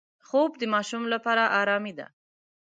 خوب د ماشوم لپاره آرامي ده